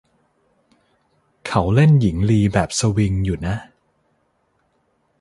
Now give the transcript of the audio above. เขาเล่นหญิงลีแบบสวิงอยู่นะ